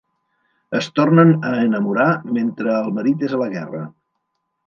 Es tornen a enamorar mentre el marit és a la guerra.